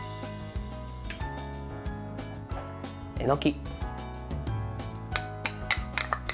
えのき。